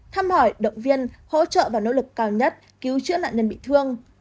thăm hỏi động viên hỗ trợ và nỗ lực cao nhất cứu chữa nạn nhân bị thương